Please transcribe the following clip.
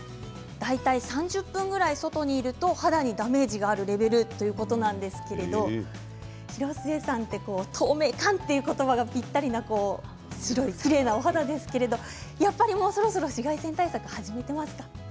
大体３０分ぐらい外にいると肌にダメージがというレベルなんですけど広末さん、透明感という言葉がぴったりな白いきれいなお肌ですけどそろそろ紫外線対策始めていますか？